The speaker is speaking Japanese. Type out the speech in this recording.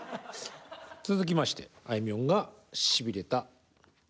続きましてあいみょんがしびれた歌詞ザザン！